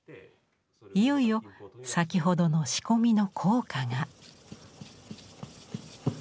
いよいよ先ほどの仕込みの効果が。